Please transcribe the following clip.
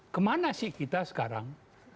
kemana sih kita sekarang